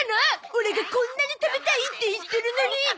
オラがこんなに食べたいって言ってるのに！